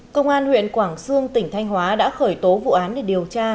công an huyện quảng sương tỉnh thanh hóa đã khởi tố vụ án để điều tra